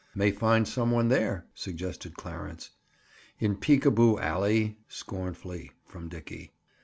"May find some one there," suggested Clarence. "In Peek a Boo Alley?" scornfully from Dickie.